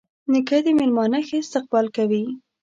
نیکه له میلمانه ښه استقبال کوي.